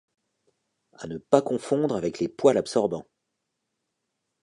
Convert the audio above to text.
À ne pas confondre avec les poils absorbants.